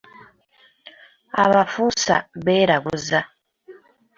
Abafuusa beeraguza.